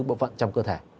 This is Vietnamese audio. bộ phận trong cơ thể